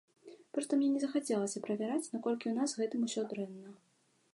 Проста мне не захацелася правяраць, наколькі ў нас з гэтым усё дрэнна.